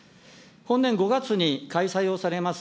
本年５月に開催をされます